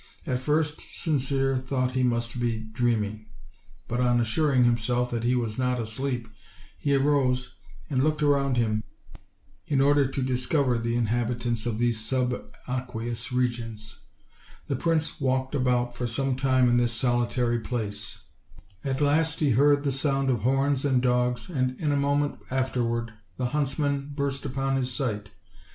At first Sincere thought he must be dreaming; but on assuring himself that he was not asleep, he arose and looked around him, in order to dis cover the inhabitants of these subaqueous regions. The prince walked about for some time in this solitary place; at last he heard the sound of horns and dogs, and in a moment afterward the huntsmen burst upon his sight* OLD, OLD I :itY TALES.